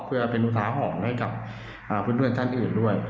เพื่อเป็นอุทาหรณ์ให้กับเพื่อนท่านอื่นด้วย